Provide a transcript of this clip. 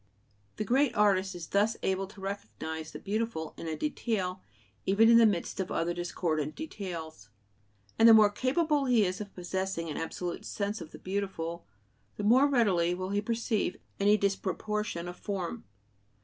The great artist is thus able to recognize the beautiful in a detail even in the midst of other discordant details; and the more capable he is of possessing an absolute sense of the beautiful, the more readily will he perceive any disproportion of form.